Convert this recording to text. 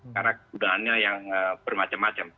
karena kegunaannya yang bermacam macam